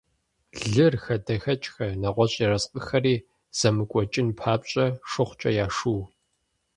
Лыр, хадэхэкӀхэр, нэгъуэщӀ ерыскъыхэри зэмыкӀуэкӀын папщӀэ, шыгъукӀэ яшыу.